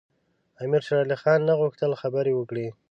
امیر شېرعلي خان نه غوښتل خبرې وکړي.